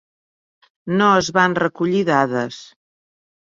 No es van recollir dades.